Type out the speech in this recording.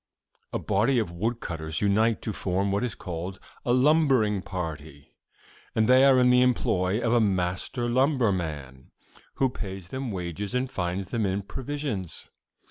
"'A body of wood cutters unite to form what is called a "lumbering party," and they are in the employ of a master lumberman, who pays them wages and finds them in provisions.